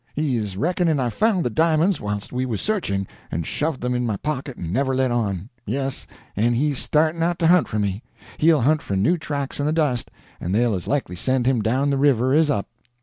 he is reckoning I found the di'monds whilst we was searching, and shoved them in my pocket and never let on—yes, and he's starting out to hunt for me. He'll hunt for new tracks in the dust, and they'll as likely send him down the river as up.